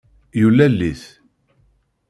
Yulel-it.